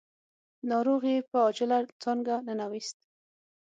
ناروغ يې په عاجله څانګه ننوېست.